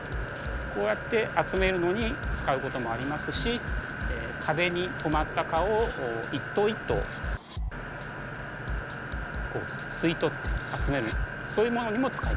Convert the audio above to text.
こうやって集めるのに使うこともありますし壁に止まった蚊を一頭一頭吸い取って集めるそういうものにも使います。